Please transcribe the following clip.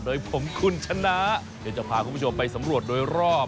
โดยผมคุณชนะเดี๋ยวจะพาคุณผู้ชมไปสำรวจโดยรอบ